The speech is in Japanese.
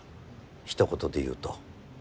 ひと言で言うと。